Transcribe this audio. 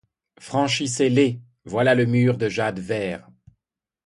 Franchissez-les ; voilà le mur de jade vert